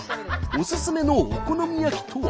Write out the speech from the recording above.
おすすめのお好み焼きとは？